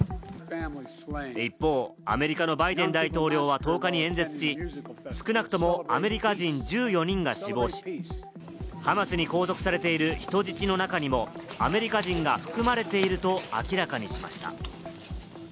一方、アメリカのバイデン大統領は１０日に演説し、少なくともアメリカ人１４人が死亡し、ハマスに拘束されている人質の中にもアメリカ人が含まれていると明らかにしました。